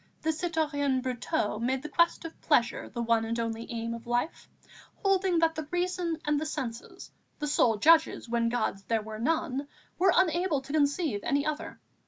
The citoyen Brotteaux made the quest of pleasure the one and only aim of life, holding that the reason and the senses, the sole judges when gods there were none, were unable to conceive any other.